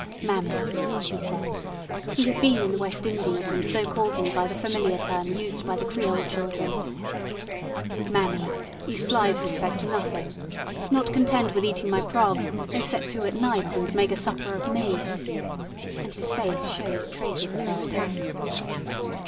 "Mami," he said (he had been in the West Indies, and so called me by the familiar term used by the Creole children), "Mami, these flies respect nothing. Not content with eating my prog, they set to at night and make a supper of me," and his face showed traces of their attacks.